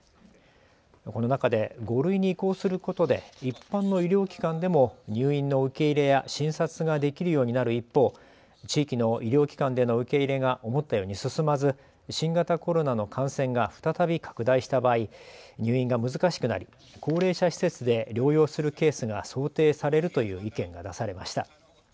この中で５類に移行することで一般の医療機関でも入院の受け入れや診察ができるようになる一方、地域の医療機関での受け入れが思ったように進まず新型コロナの感染が再び拡大した場合、入院が難しくなり高齢者施設で療養するケースが想定されるという意見が出されました。